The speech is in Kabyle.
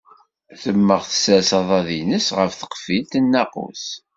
Temmeɣ, tessers aḍad-ines ɣef tqeffilt n nnaqus.